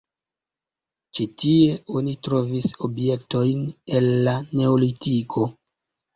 Ĉi tie oni trovis objektojn el la neolitiko.